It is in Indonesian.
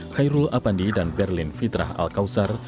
khairul apandi dan berlin fitrah al kausar